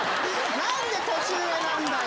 なんで年上なんだよ。